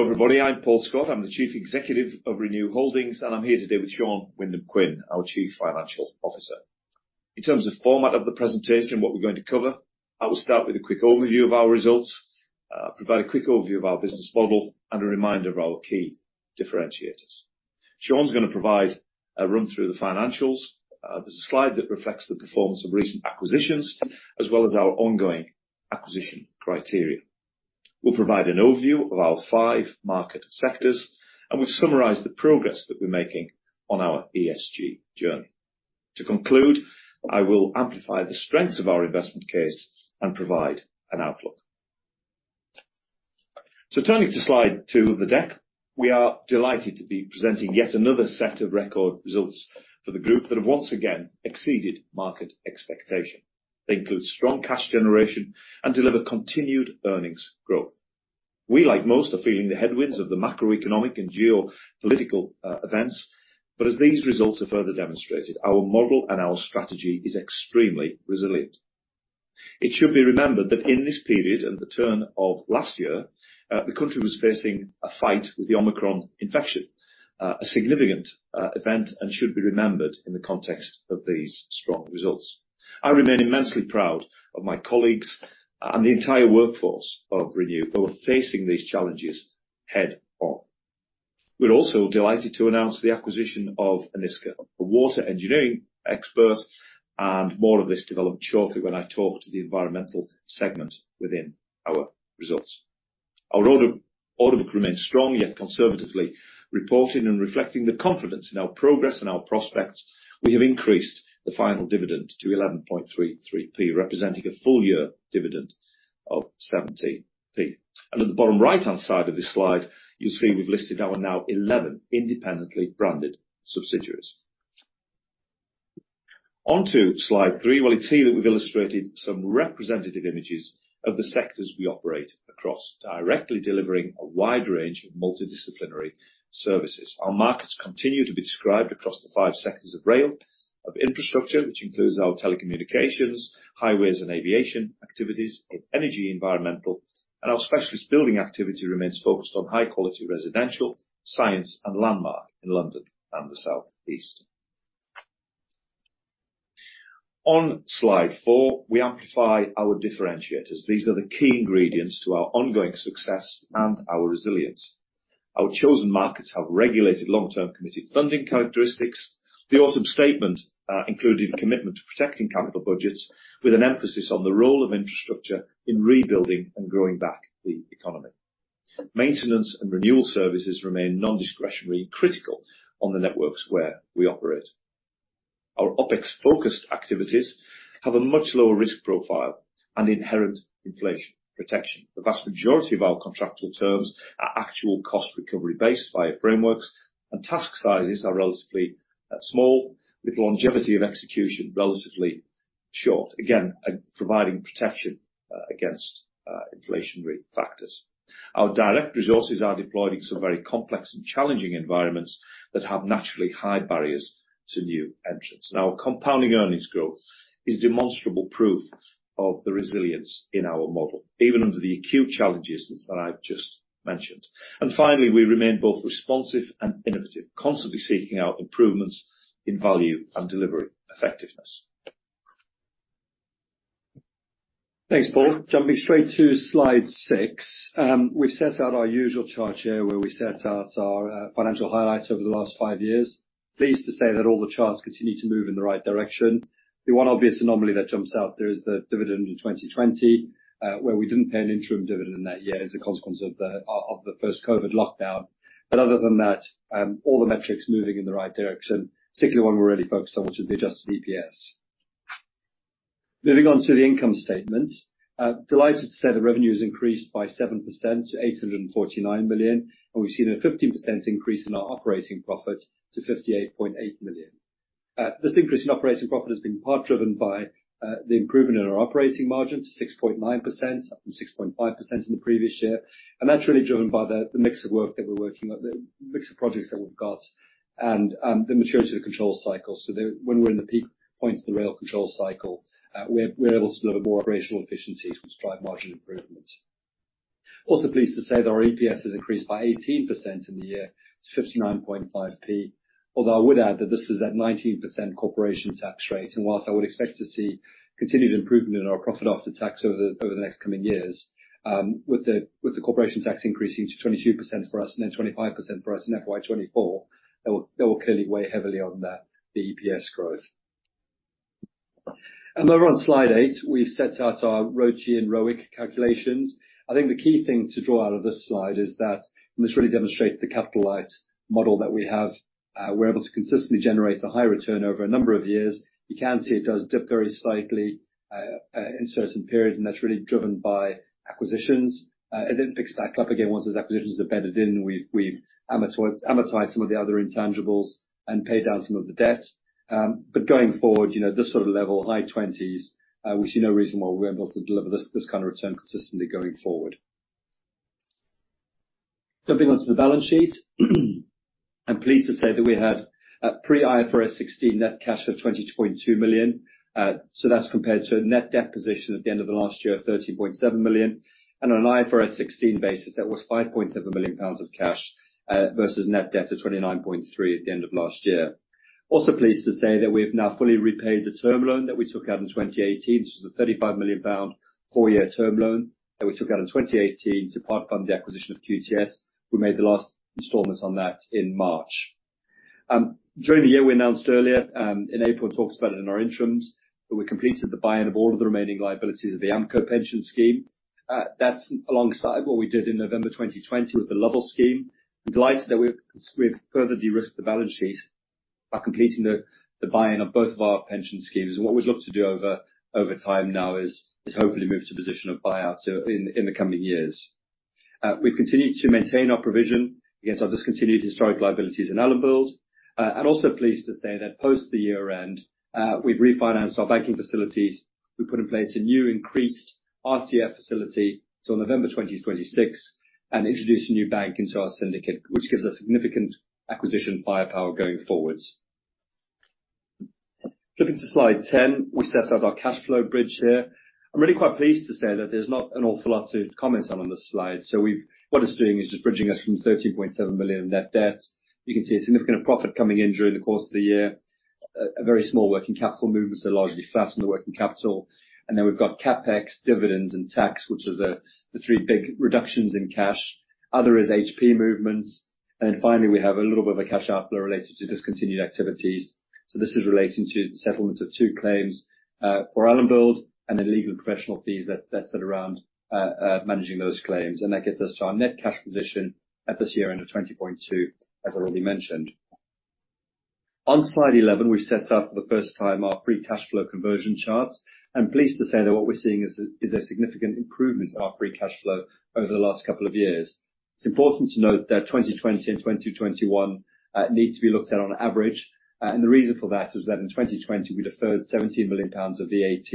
Hello, everybody. I'm Paul Scott. I'm the Chief Executive of Renew Holdings, and I'm here today with Sean Wyndham-Quin, our Chief Financial Officer. In terms of format of the presentation, what we're going to cover, I will start with a quick overview of our results, provide a quick overview of our business model, and a reminder of our key differentiators. Sean's going to provide a run through the financials. There's a slide that reflects the performance of recent acquisitions, as well as our ongoing acquisition criteria. We'll provide an overview of our five market sectors, and we've summarized the progress that we're making on our ESG journey. To conclude, I will amplify the strengths of our investment case and provide an outlook. So turning to slide 2 of the deck, we are delighted to be presenting yet another set of record results for the group that have once again exceeded market expectation. They include strong cash generation and deliver continued earnings growth. We, like most, are feeling the headwinds of the macroeconomic and geopolitical events, but as these results have further demonstrated, our model and our strategy is extremely resilient. It should be remembered that in this period, at the turn of last year, the country was facing a fight with the Omicron infection, a significant event and should be remembered in the context of these strong results. I remain immensely proud of my colleagues and the entire workforce of Renew, who are facing these challenges head-on. We're also delighted to announce the acquisition of Enisca, a water engineering expert, and more of this developed shortly when I talk to the environmental segment within our results. Our order book remains strong, yet conservatively reported and reflecting the confidence in our progress and our prospects, we have increased the final dividend to 0.1133, representing a full year dividend of 0.17. At the bottom right-hand side of this slide, you'll see we've listed our now 11 independently branded subsidiaries. On to slide three, well, you'll see that we've illustrated some representative images of the sectors we operate across, directly delivering a wide range of multidisciplinary services. Our markets continue to be described across the five sectors of rail, of infrastructure, which includes our telecommunications, highways, and aviation activities, of energy, environmental, and our specialist building activity remains focused on high quality residential, science, and landmark in London and the Southeast. On slide four, we amplify our differentiators. These are the key ingredients to our ongoing success and our resilience. Our chosen markets have regulated long-term committed funding characteristics. The Autumn Statement included a commitment to protecting capital budgets with an emphasis on the role of infrastructure in rebuilding and growing back the economy. Maintenance and renewal services remain non-discretionary, critical on the networks where we operate. Our OpEx-focused activities have a much lower risk profile and inherent inflation protection. The vast majority of our contractual terms are actual cost recovery based via frameworks, and task sizes are relatively, small, with longevity of execution relatively short, again, providing protection, against, inflationary factors. Our direct resources are deployed in some very complex and challenging environments that have naturally high barriers to new entrants. Now, compounding earnings growth is demonstrable proof of the resilience in our model, even under the acute challenges that I've just mentioned. And finally, we remain both responsive and innovative, constantly seeking out improvements in value and delivery effectiveness. Thanks, Paul. Jumping straight to slide six, we've set out our usual chart here, where we set out our financial highlights over the last five years. Pleased to say that all the charts continue to move in the right direction. The one obvious anomaly that jumps out there is the dividend in 2020, where we didn't pay an interim dividend that year as a consequence of the first COVID lockdown. But other than that, all the metrics moving in the right direction, particularly the one we're really focused on, which is the adjusted EPS. Moving on to the income statement. Delighted to say the revenue has increased by 7% to 849 million, and we've seen a 15% increase in our operating profit to 58.8 million. This increase in operating profit has been part driven by the improvement in our operating margin to 6.9%, up from 6.5% in the previous year, and that's really driven by the mix of work that we're working on, the mix of projects that we've got, and the maturity of the control cycle. So when we're in the peak point of the rail control cycle, we're able to deliver more operational efficiencies, which drive margin improvements. Also pleased to say that our EPS has increased by 18% in the year to 0.595, although I would add that this is at 19% corporation tax rate. While I would expect to see continued improvement in our profit after tax over the next coming years, with the corporation tax increasing to 22% for us and then 25% for us in FY 2024, that will clearly weigh heavily on the EPS growth. Over on slide eight, we've set out our ROCE and ROIC calculations. I think the key thing to draw out of this slide is that this really demonstrates the capital light model that we have. We're able to consistently generate a high return over a number of years. You can see it does dip very slightly in certain periods, and that's really driven by acquisitions. It then picks back up again once those acquisitions are bedded in. We've amortized some of the other intangibles and paid down some of the debt. But going forward, you know, this sort of level, high twenties, we see no reason why we're able to deliver this, this kind of return consistently going forward. Jumping onto the balance sheet, I'm pleased to say that we had a pre-IFRS 16 net cash of 22.2 million. So that's compared to a net debt position at the end of the last year of 13.7 million, and on an IFRS 16 basis, that was 5.7 million pounds of cash versus net debt of 29.3 million at the end of last year. Also pleased to say that we've now fully repaid the term loan that we took out in 2018. This was a 35 million pound, four-year term loan that we took out in 2018 to part-fund the acquisition of QTS. We made the last installment on that in March. During the year, we announced earlier in April, and talked about it in our interims, that we completed the buy-in of all of the remaining liabilities of the Amco pension scheme. That's alongside what we did in November 2020 with the Lovell scheme. I'm delighted that we've further de-risked the balance sheet by completing the buy-in of both of our pension schemes. And what we'd look to do over time now is hopefully move to a position of buyout so in the coming years. We've continued to maintain our provision against our discontinued historic liabilities in Allenbuild. And also pleased to say that post the year-end, we've refinanced our banking facilities. We put in place a new increased RCF facility till November 2026 and introduced a new bank into our syndicate, which gives us significant acquisition firepower going forwards. Flipping to slide 10, we set out our cash flow bridge here. I'm really quite pleased to say that there's not an awful lot to comment on on this slide. What it's doing is just bridging us from 13.7 million net debt. You can see a significant profit coming in during the course of the year, a very small working capital movement, so largely flat on the working capital. And then we've got CapEx, dividends, and tax, which are the three big reductions in cash. Other is HP movements, and finally, we have a little bit of a cash outflow related to discontinued activities. So this is relating to the settlement of two claims, for Allenbuild and the legal professional fees that, that sat around, managing those claims. That gets us to our net cash position at this year-end of 20.2 million, as I already mentioned. On slide 11, we set out for the first time our free cash flow conversion charts, and pleased to say that what we're seeing is a, is a significant improvement in our free cash flow over the last couple of years. It's important to note that 2020 and 2021 need to be looked at on average, and the reason for that is that in 2020, we deferred 17 million pounds of VAT,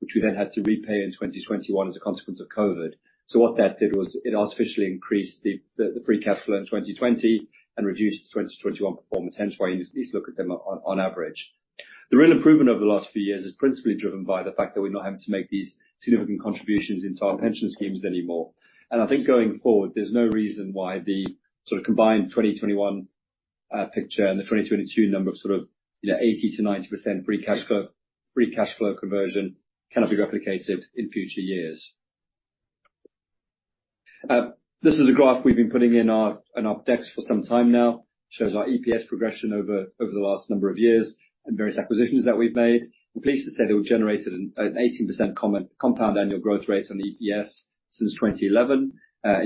which we then had to repay in 2021 as a consequence of COVID. So what that did was it artificially increased the free cash flow in 2020 and reduced 2021 performance, hence why you need to look at them on average. The real improvement over the last few years is principally driven by the fact that we're not having to make these significant contributions into our pension schemes anymore. I think going forward, there's no reason why the sort of combined 2021 picture and the 2022 number of sort of, you know, 80%-90% free cash flow, free cash flow conversion cannot be replicated in future years. This is a graph we've been putting in our, in our decks for some time now. It shows our EPS progression over, over the last number of years and various acquisitions that we've made. We're pleased to say that we've generated an 18% compound annual growth rate on EPS since 2011.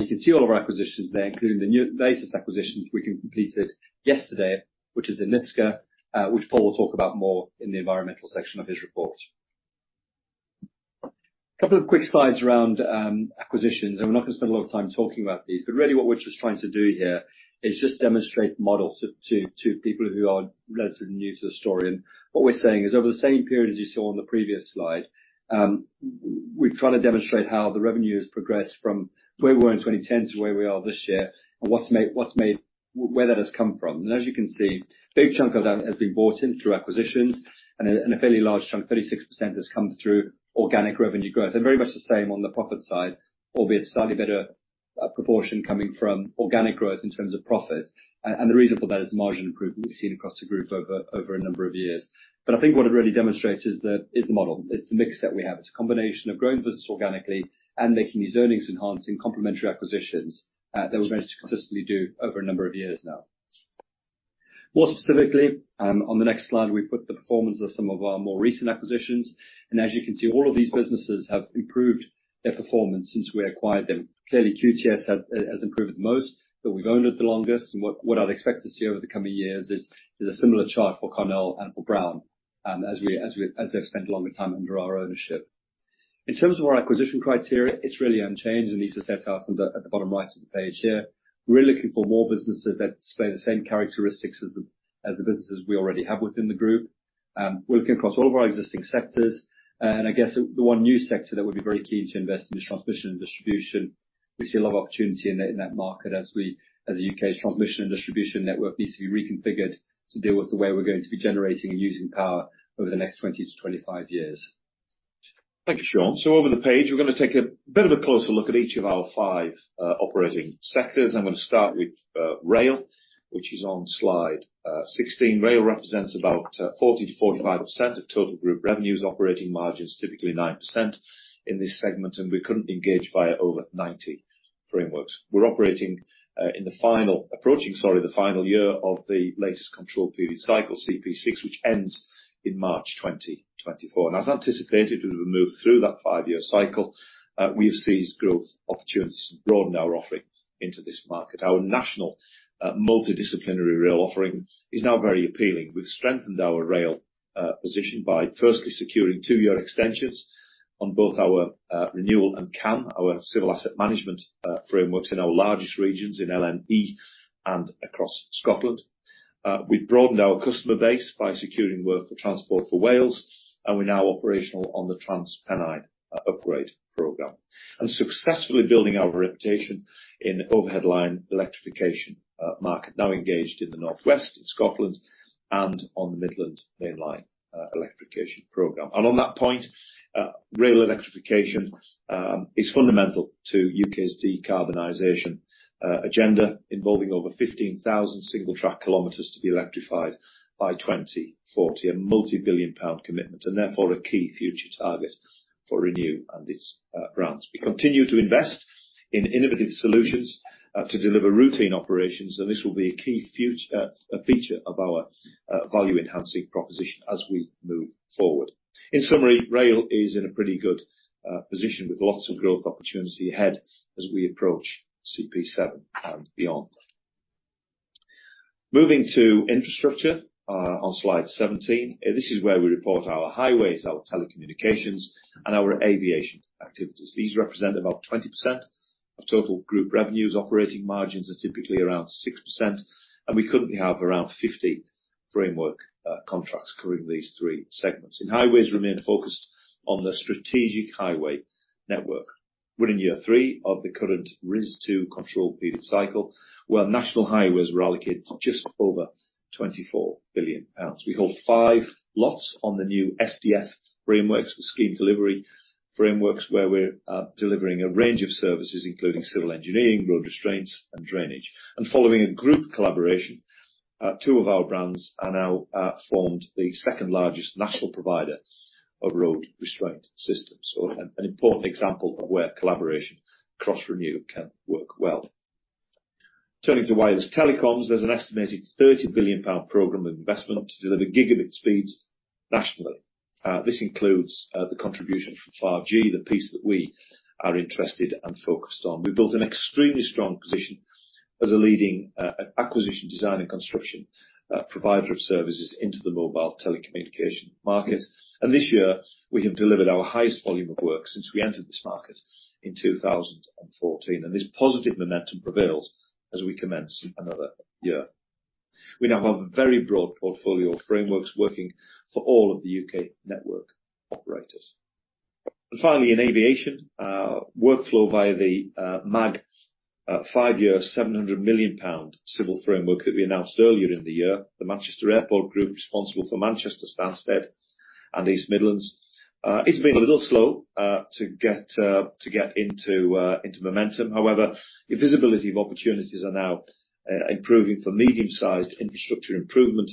You can see all of our acquisitions there, including the new latest acquisitions we completed yesterday, which is Enisca, which Paul will talk about more in the environmental section of his report. A couple of quick slides around acquisitions, and we're not going to spend a lot of time talking about these, but really what we're just trying to do here is just demonstrate the model to people who are relatively new to the story. And what we're saying is, over the same period as you saw on the previous slide, we've tried to demonstrate how the revenue has progressed from where we were in 2010 to where we are this year, and what's made, what's made where that has come from. As you can see, a big chunk of that has been bought in through acquisitions, and a fairly large chunk, 36%, has come through organic revenue growth, and very much the same on the profit side, albeit a slightly better proportion coming from organic growth in terms of profit. And the reason for that is margin improvement we've seen across the group over a number of years. I think what it really demonstrates is the model. It's the mix that we have. It's a combination of growing business organically and making these earnings-enhancing complementary acquisitions that we've managed to consistently do over a number of years now. More specifically, on the next slide, we've put the performance of some of our more recent acquisitions, and as you can see, all of these businesses have improved their performance since we acquired them. Clearly, QTS has improved the most, but we've owned it the longest, and what I'd expect to see over the coming years is a similar chart for Carnell and for Browne, as they've spent longer time under our ownership. In terms of our acquisition criteria, it's really unchanged, and these are set out at the bottom right of the page here. We're looking for more businesses that display the same characteristics as the businesses we already have within the group. We're looking across all of our existing sectors, and I guess the one new sector that we'd be very keen to invest in is transmission and distribution. We see a lot of opportunity in that, in that market as we, as the U.K.'s transmission and distribution network needs to be reconfigured to deal with the way we're going to be generating and using power over the next 20-25 years. Thank you, Sean. So over the page, we're going to take a bit of a closer look at each of our five operating sectors. I'm going to start with rail, which is on slide 16. Rail represents about 40%-45% of total group revenues, operating margins typically 9% in this segment, and we're currently engaged via over 90 frameworks. We're operating in the final year of the latest control period cycle, CP6, which ends in March 2024. And as anticipated, as we move through that five-year cycle, we have seized growth opportunities to broaden our offering into this market. Our national multidisciplinary rail offering is now very appealing. We've strengthened our rail position by firstly securing two-year extensions on both our renewal and CAM, our Civils Asset Management, frameworks in our largest regions, in LNE and across Scotland. We've broadened our customer base by securing work for Transport for Wales, and we're now operational on the Transpennine Upgrade program, and successfully building our reputation in overhead line electrification market, now engaged in the Northwest, in Scotland, and on the Midland Main Line Electrification Program. And on that point, rail electrification is fundamental to the U.K.'s decarbonization agenda, involving over 15,000 single track kilometers to be electrified by 2040, a multi-billion pound commitment, and therefore, a key future target for Renew and its brands. We continue to invest in innovative solutions to deliver routine operations, and this will be a key future feature of our value-enhancing proposition as we move forward. In summary, rail is in a pretty good position with lots of growth opportunity ahead as we approach CP7 and beyond. Moving to infrastructure on slide 17, this is where we report our highways, our telecommunications, and our aviation activities. These represent about 20% of total group revenues. Operating margins are typically around 6%, and we currently have around 50 framework contracts covering these three segments. In highways, we remain focused on the strategic highway network. We're in year three of the current RIS2 control period cycle, where National Highways were allocated just over 24 billion pounds. We hold five lots on the new SDF frameworks, the Scheme Delivery Frameworks, where we're delivering a range of services, including civil engineering, road restraints, and drainage. Following a group collaboration, two of our brands are now formed the second largest national provider of road restraint systems, so an important example of where collaboration across Renew can work well. Turning to wireless telecoms, there's an estimated 30 billion pound program of investment to deliver gigabit speeds nationally. This includes the contribution from 5G, the piece that we are interested and focused on. We've built an extremely strong position as a leading acquisition, design, and construction provider of services into the mobile telecommunication market. This year, we have delivered our highest volume of work since we entered this market in 2014, and this positive momentum prevails as we commence another year. We now have a very broad portfolio of frameworks working for all of the U.K. network operators. Finally, in aviation, workflow via the MAG five-year 700 million pound civil framework that we announced earlier in the year, the Manchester Airports Group, responsible for Manchester, Stansted, and East Midlands. It's been a little slow to get into momentum. However, the visibility of opportunities are now improving for medium-sized infrastructure improvement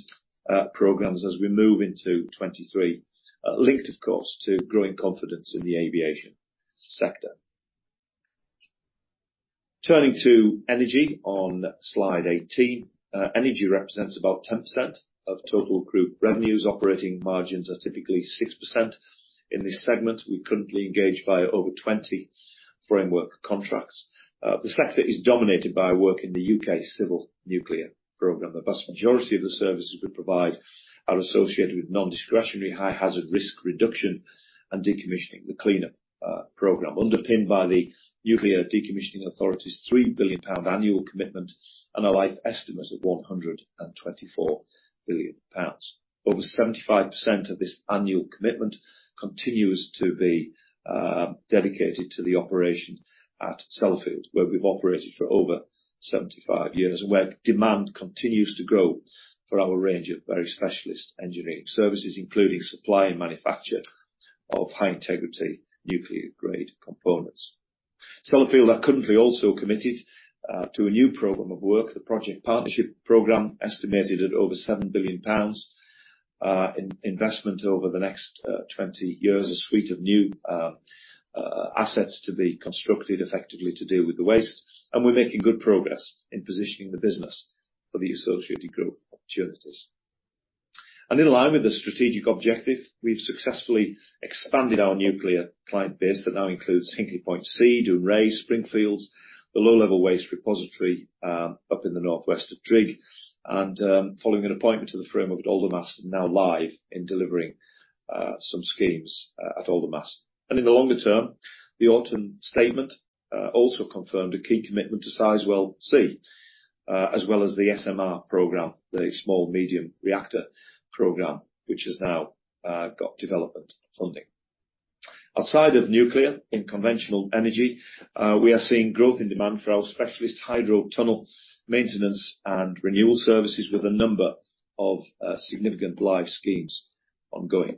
programs as we move into 2023, linked, of course, to growing confidence in the aviation sector. Turning to energy on slide 18. Energy represents about 10% of total group revenues. Operating margins are typically 6%. In this segment, we're currently engaged by over 20 framework contracts. The sector is dominated by work in the U.K. civil nuclear program. The vast majority of the services we provide are associated with non-discretionary, high hazard risk reduction and decommissioning, the cleanup program, underpinned by the Nuclear Decommissioning Authority's 3 billion pound annual commitment and a life estimate of 124 billion pounds. Over 75% of this annual commitment continues to be dedicated to the operation at Sellafield, where we've operated for over 75 years, and where demand continues to grow for our range of very specialist engineering services, including supply and manufacture of high-integrity nuclear-grade components. Sellafield are currently also committed to a new program of work, the project partnership program, estimated at over 7 billion pounds in investment over the next 20 years, a suite of new assets to be constructed effectively to deal with the waste, and we're making good progress in positioning the business for the associated growth opportunities. And in line with the strategic objective, we've successfully expanded our nuclear client base that now includes Hinkley Point C, Dounreay, Springfields, the Low Level Waste Repository up in the North West at Drigg, and following an appointment to the framework with Aldermaston, now live in delivering some schemes at Aldermaston. And in the longer term, the Autumn Statement also confirmed a key commitment to Sizewell C as well as the SMR program, the Small Modular Reactor program, which has now got development funding. Outside of nuclear and conventional energy, we are seeing growth in demand for our specialist hydro tunnel maintenance and renewal services with a number of, significant live schemes ongoing.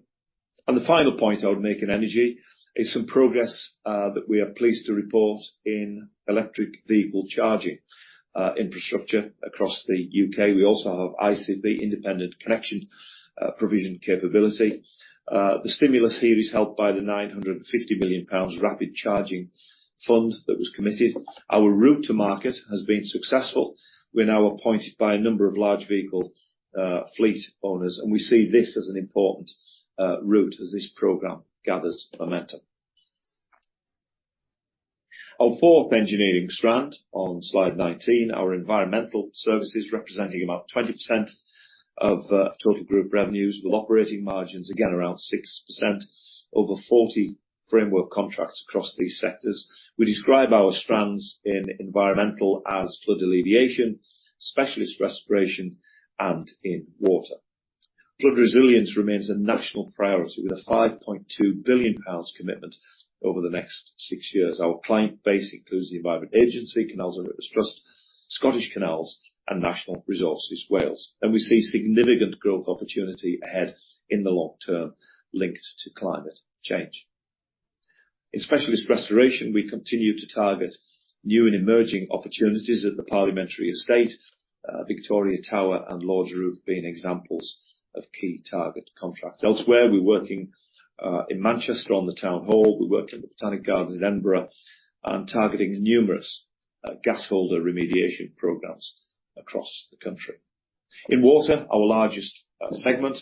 And the final point I would make in energy is some progress, that we are pleased to report in electric vehicle charging, infrastructure across the U.K. We also have ICP, Independent Connection Provision capability. The stimulus here is helped by the 950 million pounds Rapid Charging Fund that was committed. Our route to market has been successful. We're now appointed by a number of large vehicle fleet owners, and we see this as an important route as this program gathers momentum. Our fourth engineering strand on slide 19, our environmental services, representing about 20% of total group revenues, with operating margins again around 6%, over 40 framework contracts across these sectors. We describe our strands in environmental as flood alleviation, specialist restoration, and in water. Flood resilience remains a national priority, with a 5.2 billion pounds commitment over the next six years. Our client base includes the Environment Agency, Canal & River Trust, Scottish Canals, and Natural Resources Wales, and we see significant growth opportunity ahead in the long term linked to climate change. In specialist restoration, we continue to target new and emerging opportunities at the parliamentary estate, Victoria Tower and Lords' Roof being examples of key target contracts. Elsewhere, we're working in Manchester on the town hall, we're working at the Botanic Gardens in Edinburgh, and targeting numerous gasholder remediation programs across the country. In water, our largest segment,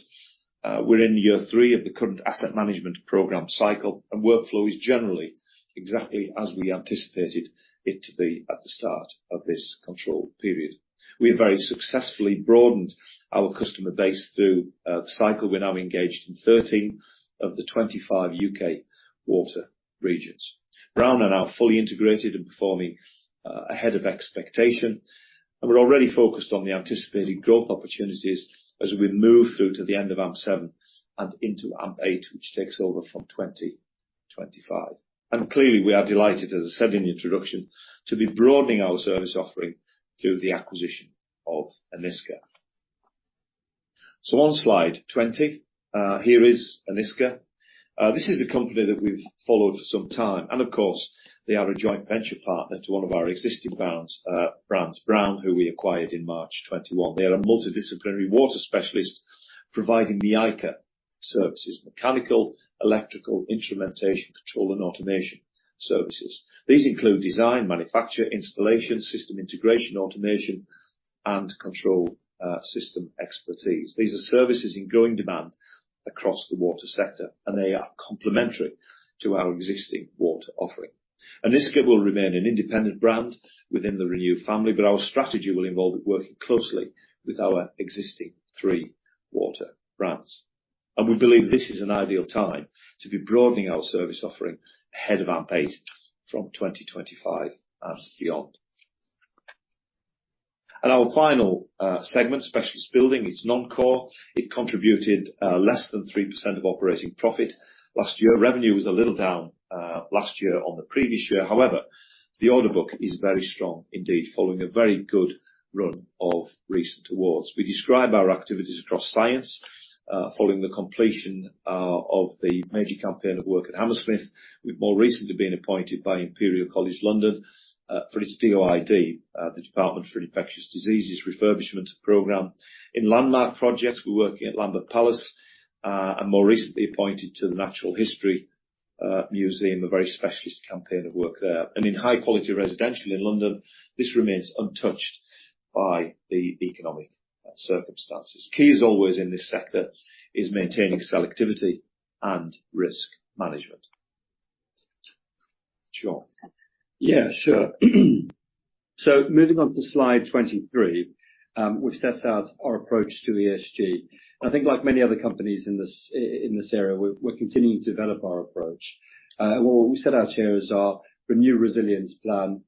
we're in year three of the current asset management program cycle, and workflow is generally exactly as we anticipated it to be at the start of this control period. We have very successfully broadened our customer base through the cycle. We're now engaged in 13 of the 25 U.K. water regions. Browne are now fully integrated and performing ahead of expectation, and we're already focused on the anticipated growth opportunities as we move through to the end of AMP7 and into AMP8, which takes over from 2025. And clearly, we are delighted, as I said in the introduction, to be broadening our service offering through the acquisition of Enisca. So on slide 20, here is Enisca. This is a company that we've followed for some time, and of course, they are a joint venture partner to one of our existing brands, Browne, who we acquired in March 2021. They are a multidisciplinary water specialist providing MEICA services, mechanical, electrical, instrumentation, control, and automation services. These include design, manufacture, installation, system integration, automation, and control, system expertise. These are services in growing demand across the water sector, and they are complementary to our existing water offering. Enisca will remain an independent brand within the Renew family, but our strategy will involve it working closely with our existing three water brands. We believe this is an ideal time to be broadening our service offering ahead of AMP8 from 2025 and beyond. Our final segment, specialist building, it's non-core. It contributed less than 3% of operating profit. Last year, revenue was a little down, last year on the previous year. However, the order book is very strong indeed, following a very good run of recent awards. We describe our activities across science, following the completion of the major campaign of work at Hammersmith, we've more recently been appointed by Imperial College London for its DOID, the Department for Infectious Diseases' refurbishment program. In landmark projects, we're working at Lambeth Palace, and more recently appointed to the Natural History Museum, a very specialist campaign of work there. And in high-quality residential in London, this remains untouched by the economic circumstances. Key, as always, in this sector, is maintaining selectivity and risk management. Sean. Yeah, sure. So moving on to slide 23, which sets out our approach to ESG. I think like many other companies in this area, we're continuing to develop our approach. What we set out here is our Renew Resilience plan,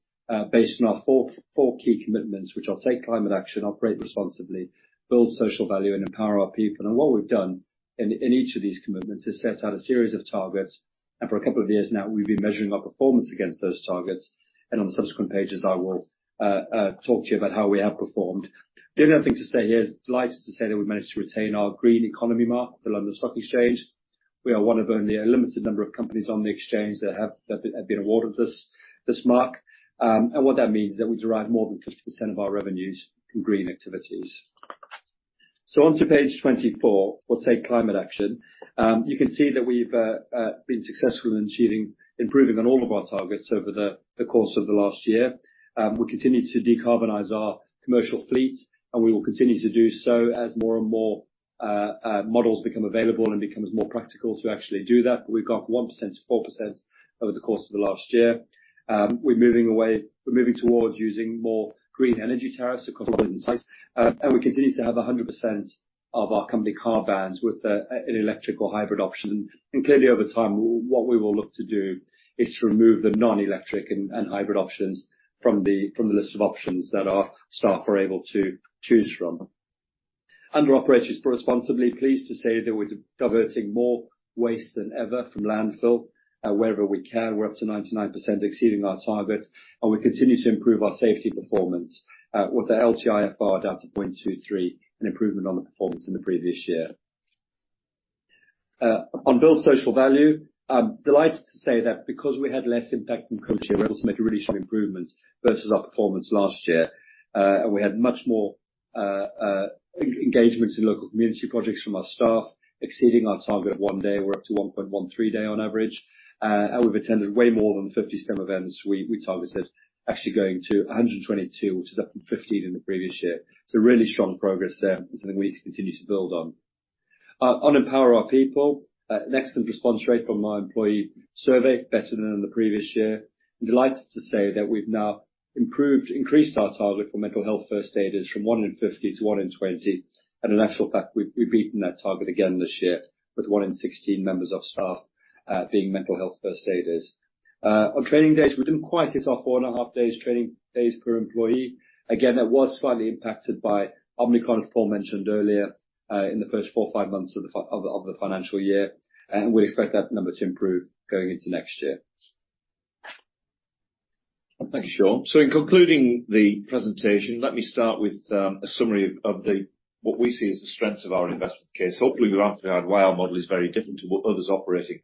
based on our four key commitments, which are take climate action, operate responsibly, build social value, and empower our people. And what we've done in each of these commitments is set out a series of targets, and for a couple of years now, we've been measuring our performance against those targets, and on the subsequent pages, I will talk to you about how we have performed. The other thing to say here is delighted to say that we managed to retain our Green Economy Mark, the London Stock Exchange. We are one of only a limited number of companies on the exchange that have been awarded this mark. And what that means is that we derive more than 50% of our revenues from green activities. So on to page 24, we'll take climate action. You can see that we've been successful in achieving, improving on all of our targets over the course of the last year. We continue to decarbonize our commercial fleet, and we will continue to do so as more and more models become available and becomes more practical to actually do that. We've gone from 1% to 4% over the course of the last year. We're moving towards using more green energy tariffs across our businesses, and we continue to have 100% of our company car bands with an electric or hybrid option. And clearly, over time, what we will look to do is to remove the non-electric and hybrid options from the list of options that our staff are able to choose from. Under operations responsibly, pleased to say that we're diverting more waste than ever from landfill, wherever we can. We're up to 99%, exceeding our target, and we continue to improve our safety performance, with the LTIFR down to 0.23%, an improvement on the performance in the previous year. On build social value, I'm delighted to say that because we had less impact than [commercial] year, we were able to make a really strong improvement versus our performance last year. We had much more engagement in local community projects from our staff, exceeding our target of one day. We're up to 1.13 days on average, and we've attended way more than the 50 STEM events we targeted, actually going to 122, which is up from 15 in the previous year. Really strong progress there, and something we need to continue to build on. On empower our people, an excellent response rate from our employee survey, better than in the previous year. I'm delighted to say that we've now increased our target for mental health first aiders from one in 50 to one in 20, and in actual fact, we've beaten that target again this year, with one in 16 members of staff being mental health first aiders. On training days, we didn't quite hit our 4.5 days, training days per employee. Again, that was slightly impacted by Omicron, as Paul mentioned earlier, in the first four, five months of the financial year, and we expect that number to improve going into next year. Thank you, Sean. So in concluding the presentation, let me start with a summary of what we see as the strengths of our investment case. Hopefully, you've already heard why our model is very different to what others operating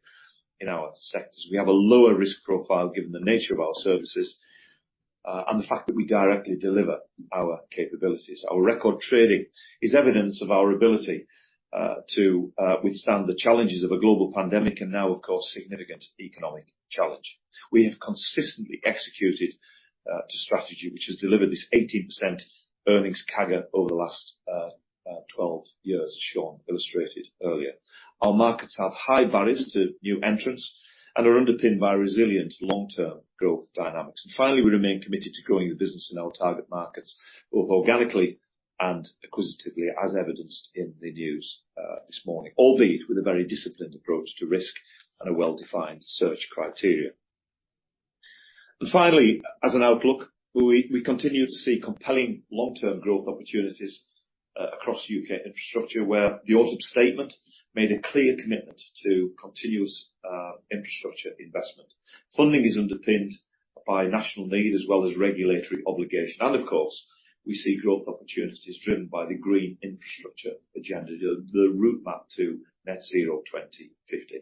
in our sectors. We have a lower risk profile, given the nature of our services, and the fact that we directly deliver our capabilities. Our record trading is evidence of our ability to withstand the challenges of a global pandemic, and now, of course, significant economic challenge. We have consistently executed to strategy, which has delivered this 18% earnings CAGR over the last 12 years, as Sean illustrated earlier. Our markets have high barriers to new entrants and are underpinned by resilient long-term growth dynamics. And finally, we remain committed to growing the business in our target markets, both organically and acquisitively, as evidenced in the news this morning, albeit with a very disciplined approach to risk and a well-defined search criteria. And finally, as an outlook, we continue to see compelling long-term growth opportunities across U.K. infrastructure, where the Autumn Statement made a clear commitment to continuous infrastructure investment. Funding is underpinned by national need as well as regulatory obligation, and of course, we see growth opportunities driven by the green infrastructure agenda, the route map to net zero 2050.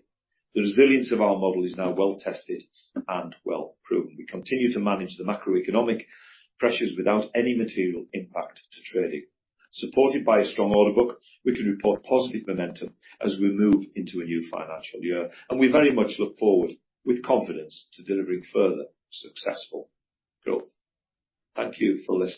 The resilience of our model is now well tested and well proven. We continue to manage the macroeconomic pressures without any material impact to trading. Supported by a strong order book, we can report positive momentum as we move into a new financial year, and we very much look forward, with confidence, to delivering further successful growth. Thank you for listening.